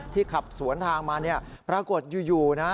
ขับสวนทางมาปรากฏอยู่นะ